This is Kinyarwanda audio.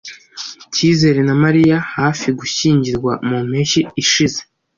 Cyizere na Mariya hafi gushyingirwa mu mpeshyi ishize.